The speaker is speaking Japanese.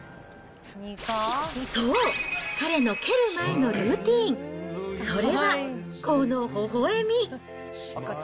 そう、彼の蹴る前のルーティーン、それはこのほほえみ。